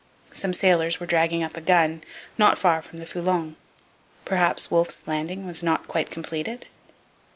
Some sailors were dragging up a gun, not far from the Foulon. Perhaps Wolfe's landing was not quite completed?